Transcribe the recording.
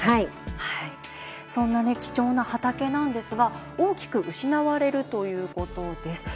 そんな貴重な畑なんですが大きく失われるということです。